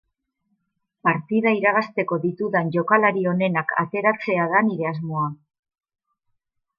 Partida irabazteko ditudan jokalari onenak ateratzea da nire asmoa.